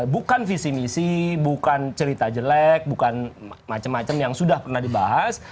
bukan visi misi bukan cerita jelek bukan macam macam yang sudah pernah dibahas